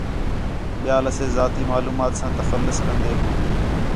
ٻِیال اسے ذاتی معلومات تا تخلص کندے ہوں